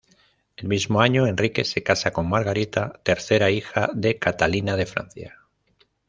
El mismo año, Enrique se casa con Margarita, tercera hija de Catalina de Francia.